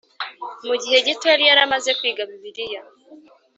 Mugihe gito yari yaramaze kwiga Bibiliya .